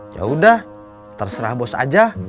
yaudah terserah bos aja